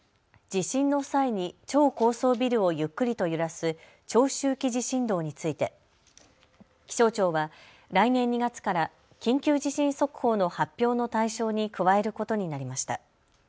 地震の際に超高層ビルをゆっくりと揺らす長周期地震動について、気象庁は来年２月から緊急地震速報の発表の対象に加えることになりました。